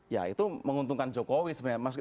ya itu menguntungkan jokowi sebenarnya